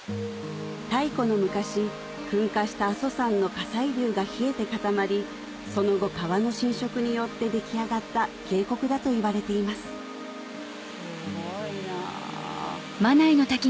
太古の昔噴火した阿蘇山の火砕流が冷えて固まりその後川の浸食によって出来上がった渓谷だといわれていますすごいな。